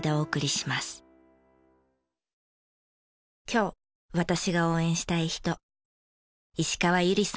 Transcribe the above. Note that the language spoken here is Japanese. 今日私が応援したい人。